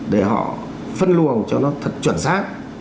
để họ phân luồng cho nó thật chuẩn xác